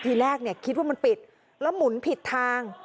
ทีแรกเนี่ยคิดว่ามันปิดแล้วหมุนผิดทาง